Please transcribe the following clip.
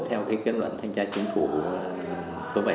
theo kết luận thanh tra chính phủ số bảy trăm năm mươi bốn hai nghìn sáu